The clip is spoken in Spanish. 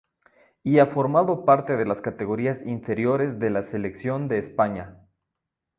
Y ha formado parte de las categorías inferiores de la Selección de España.